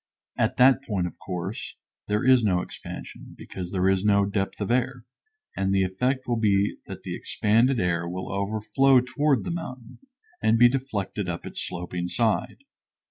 At that point, of course, there is no expansion, because there is no depth of air; and the effect will be that the expanded air will overflow toward the mountain, and be deflected up its sloping side.